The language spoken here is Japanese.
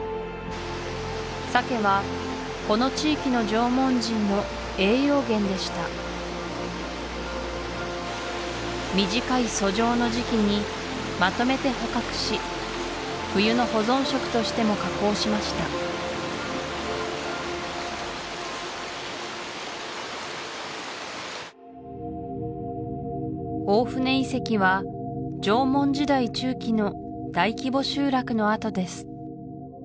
サケはこの地域の縄文人の栄養源でした短い遡上の時期にまとめて捕獲し冬の保存食としても加工しました大船遺跡は縄文時代中期の大規模集落の跡です